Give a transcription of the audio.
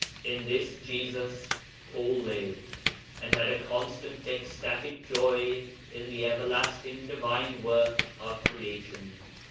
In this Jesus Paul lived, and had a constant ecstatic joy in the everlasting divine work of creation.